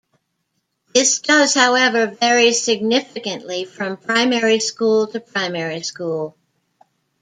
This does, however vary significantly from primary school to primary school.